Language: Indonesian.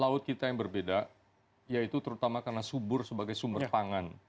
laut kita yang berbeda yaitu terutama karena subur sebagai sumber pangan